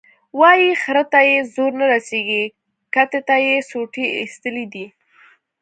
وایي خره ته یې زور نه رسېږي، کتې ته یې سوټي ایستلي دي.